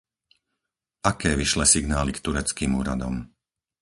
Aké vyšle signály k tureckým úradom?